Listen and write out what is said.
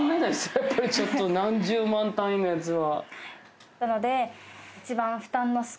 やっぱりちょっと何十万単位のやつは。